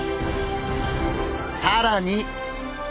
さらに！